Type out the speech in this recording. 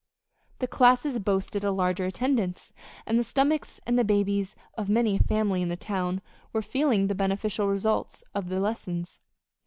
The classes boasted a larger attendance, and the stomachs and the babies of many a family in the town were feeling the beneficial results of the lessons.